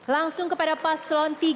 langsung kepada paslon tiga